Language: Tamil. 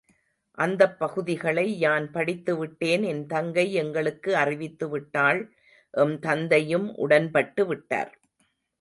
அந்தப்பகுதிகளை யான் படித்து விட்டேன் என் தங்கை எங்களுக்கு அறிவித்துவிட்டாள் எம் தந்தையும் உடன்பட்டு விட்டார்.